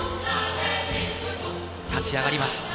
立ち上がります。